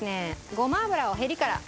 ごま油をへりから。